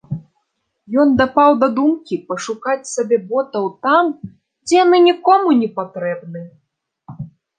Ён дапаў да думкі пашукаць сабе ботаў там, дзе яны нікому не патрэбны.